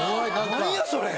何やそれ。